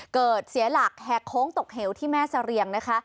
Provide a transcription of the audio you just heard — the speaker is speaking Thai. เกิดเสียหลักแฮกโค้งตกเหลวที่แม่สะเรียงนะคะ